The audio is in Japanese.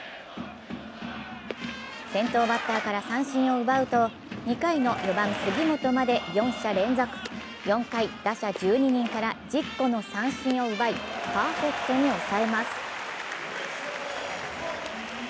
先頭バッターから三振を奪うと２回の４番・杉本まで４者連続、４回、打者１２人から１０個の三振を奪いパーフェクトに抑えます。